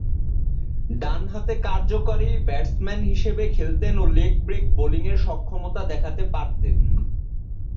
ডানহাতে কার্যকারী ব্যাটসম্যান হিসেবে খেলতেন ও লেগ ব্রেক বোলিংয়ে সক্ষমতা দেখাতে পারতেন।